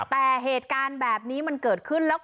แต่เหตุการณ์แบบนี้มันเกิดขึ้นแล้ว